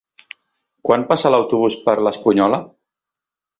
Quan passa l'autobús per l'Espunyola?